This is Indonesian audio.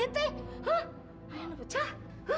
ayah udah pecah